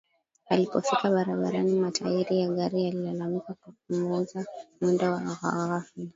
Alipofika barabarani matairi ya gari yalilalamika kwa kupunguza mwendo ka ghafla